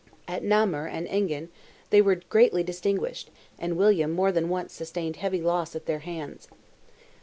At Namur and Enghien, they were greatly distinguished, and William more than once sustained heavy loss at their hands.